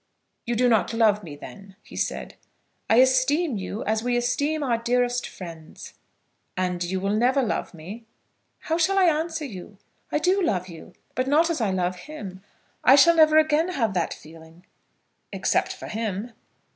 "You do not love me, then?" he said. "I esteem you as we esteem our dearest friends." "And you will never love me?" "How shall I answer you? I do love you, but not as I love him. I shall never again have that feeling." "Except for him?"